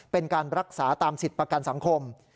เป็นการรักษาตามสิทธิ์ประกันสังคม